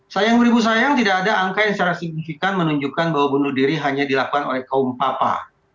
sayang beribu sayang tidak ada angka yang secara signifikan menunjukkan bahwa bunuh diri hanya dilakukan oleh kaum papa